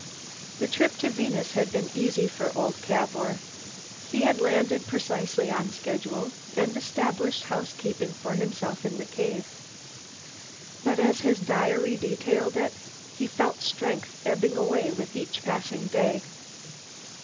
The trip to Venus had been easy for old Cavour; he had landed precisely on schedule, and established housekeeping for himself in the cave. But, as his diary detailed it, he felt strength ebbing away with each passing day.